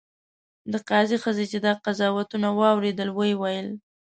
د قاضي ښځې چې دا قضاوتونه واورېدل ویې ویل.